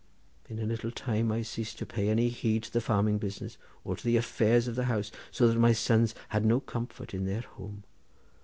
In a little time I ceased to pay any heed to the farming business, or to the affairs of the house, so that my sons had no comfort in their home.